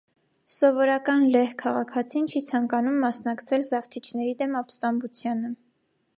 Սովորական լեհ քաղաքացին չի ցանկանում մասնակցել զավթիչների դեմ ապստամբությանը։